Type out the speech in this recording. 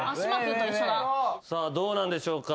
どうなんでしょうか？